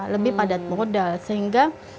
lebih padat modal sehingga